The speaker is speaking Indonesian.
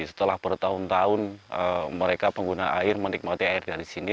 setelah bertahun tahun mereka pengguna air menikmati air dari sini